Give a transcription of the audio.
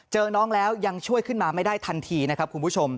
เจอน้องแล้วยังช่วยขึ้นมาไม่ได้ทันทีนะครับคุณผู้ชม